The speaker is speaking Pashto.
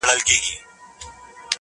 o خو زه.